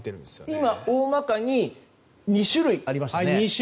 今、大まかに２種類ありましたね。